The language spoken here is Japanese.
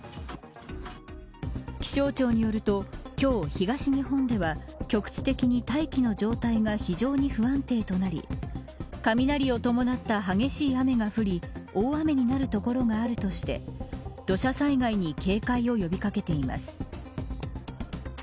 気象庁によると今日、東日本では局地的に大気の状態が非常に不安定となり雷を伴った激しい雨が降り大雨になる所があるとして土砂災害に警戒を呼び掛けています。